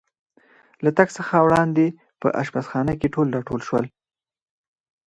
له تګ څخه وړاندې په اشپزخانه کې ټول را ټول شو.